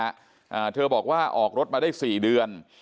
อ่าเธอบอกว่าออกรถมาได้สี่เดือน